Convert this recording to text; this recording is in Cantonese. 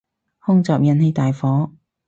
空襲引起大火